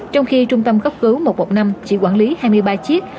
trong khi trung tâm cấp cứu một trăm một mươi năm chỉ quản lý hai mươi ba chiếc